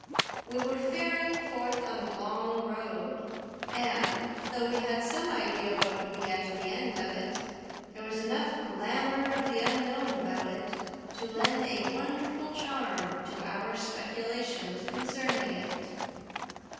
We were faring forth on a long road; and, though we had some idea what would be at the end of it, there was enough glamour of the unknown about it to lend a wonderful charm to our speculations concerning it.